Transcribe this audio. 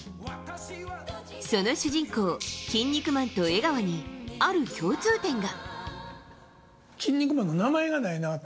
その主人公・キン肉マンと江川にある共通点が。